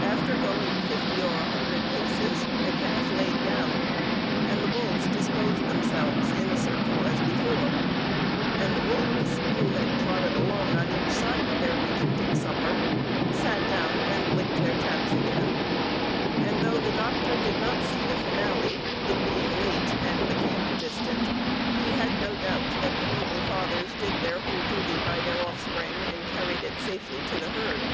After going 50 or 100 paces the calf laid down, the bulls disposed themselves in a circle as before, and the wolves, who had trotted along on each side of their retreating supper, sat down and licked their chaps again; and though the doctor did not see the finale, it being late and the camp distant, he had no doubt that the noble fathers did their whole duty by their offspring, and carried it safely to the herd."